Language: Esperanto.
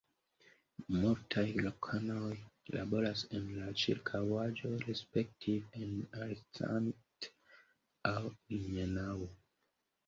Multaj lokanoj laboras en la ĉirkaŭaĵo respektive en Arnstadt aŭ Ilmenau.